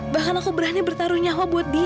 bahkan aku berani bertaruh nyawa buat dia